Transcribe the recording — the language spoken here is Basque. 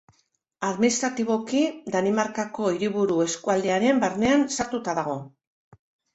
Administratiboki, Danimarkako Hiriburu Eskualdearen barnean sartuta dago.